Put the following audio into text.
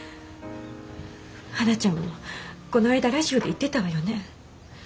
はなちゃんもこの間ラジオで言ってたわよね。